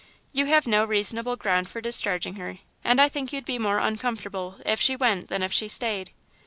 You have no reasonable ground for discharging her, and I think you'd be more uncomfortable if she went than if she stayed."